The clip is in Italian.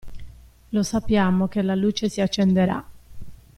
Lo sappiamo che la luce si accenderà.